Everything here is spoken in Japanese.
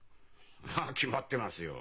そりゃ決まってますよ。